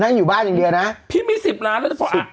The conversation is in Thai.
นั่งอยู่บ้านอย่างเดียวน่ะพี่มีสิบล้านแล้วสิบ